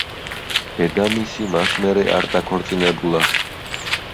დედამისი მას მერე არ დაქორწინებულა.